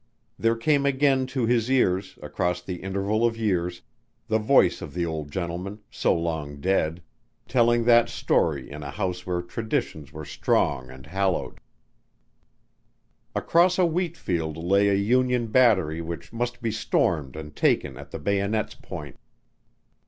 There came again to his ears, across the interval of years, the voice of the old gentleman, so long dead, telling that story in a house where traditions were strong and hallowed. Across a wheat field lay a Union battery which must be stormed and taken at the bayonet's point.